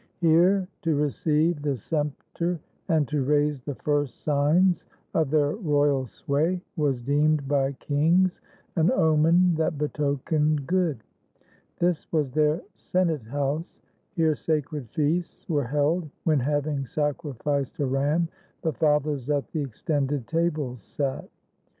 Here, to receive the sceptre and to raise The first signs of their royal sway, was deemed By kings an omen that betokened good. This was their senate house; here sacred feasts Were held, when, having sacrificed a ram, The fathers at the extended tables sat.